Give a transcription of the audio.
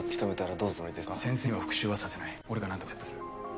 先生には復しゅうはさせない俺がなんとか説得する。